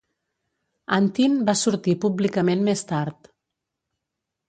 Antin va sortir públicament més tard.